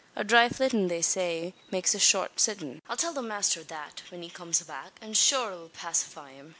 A dhry flittin', they say, makes a short sittin'. I'll tell the masther that, whin he comes back; an shure it 'll pacify him.